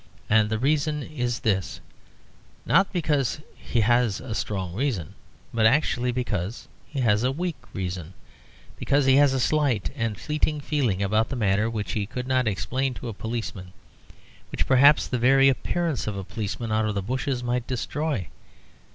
And the reason is this: not because he has a strong reason, but actually because he has a weak reason; because he has a slight and fleeting feeling about the matter which he could not explain to a policeman, which perhaps the very appearance of a policeman out of the bushes might destroy.